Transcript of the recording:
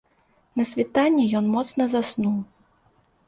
На світанні ён моцна заснуў.